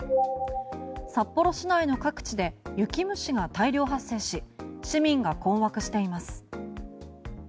札幌市内の各地で雪虫が大量発生し市民が困惑しています。